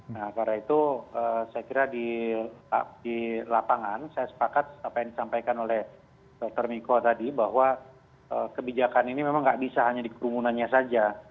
nah karena itu saya kira di lapangan saya sepakat apa yang disampaikan oleh dr miko tadi bahwa kebijakan ini memang tidak bisa hanya di kerumunannya saja